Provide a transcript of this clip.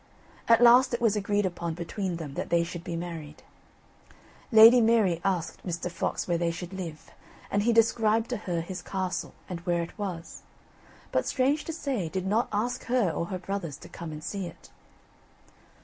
At last it was agreed upon between them that they should be married. Lady Mary asked Mr. Fox where they should live, and he described to her his castle, and where it was; but, strange to say, did not ask her, or her brothers to come and see it.